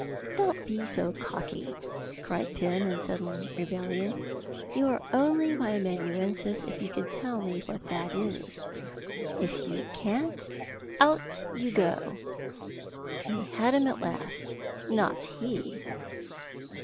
"Don't be so cocky," cried Pym, in sudden rebellion. "You are only my amanuensis if you can tell me what that is. If you can't out you go!" He had him at last! Not he!